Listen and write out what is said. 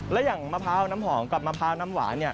และอย่างมะพร้าวน้ำหอมกับมะพร้าวน้ำหวานเนี่ย